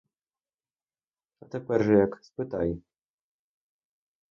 А тепер же як, спитай.